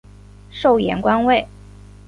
授盐官尉。